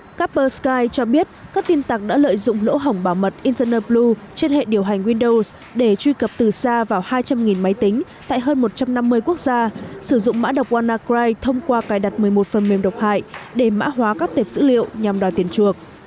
nga kaspersky cho biết các tin tặng đã lợi dụng lỗ hỏng bảo mật internetblue trên hệ điều hành windows để truy cập từ xa vào hai trăm linh máy tính tại hơn một trăm năm mươi quốc gia sử dụng mã độc wannacry thông qua cài đặt một mươi một phần mềm độc hại để mã hóa các tiệp dữ liệu nhằm đòi tiền chuộc